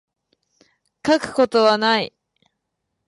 書くことない